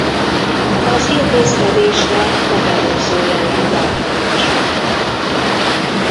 Az intézkedésre megelőző jelleggel került sor.